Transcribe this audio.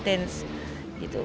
itu kita lagi maintenance